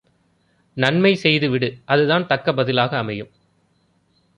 நன்மை செய்து விடு அதுதான் தக்க பதிலாக அமையும்.